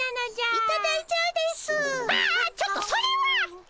ああちょっとそれは！